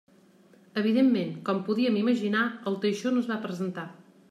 Evidentment, com podíem imaginar, el teixó no es va presentar.